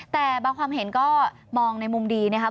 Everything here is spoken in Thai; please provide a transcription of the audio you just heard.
แต่บางความเห็นก็มองในมุมดีนะครับ